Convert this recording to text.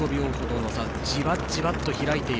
じわじわと開いている。